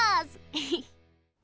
エヘッ。